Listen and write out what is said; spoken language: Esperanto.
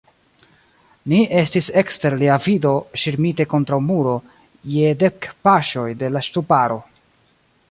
Ni estis ekster lia vido, ŝirmite kontraŭ muro, je dek paŝoj de la ŝtuparo.